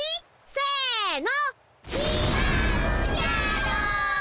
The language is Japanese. せの。